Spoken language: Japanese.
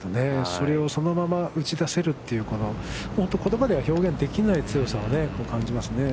それをそのまま打ち出せるという、本当に言葉では表現できない強さを感じますね。